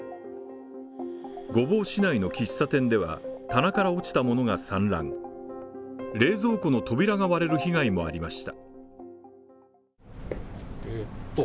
御坊市内の喫茶店では棚から落ちた物が散乱、冷蔵庫の扉が割れる被害もありました。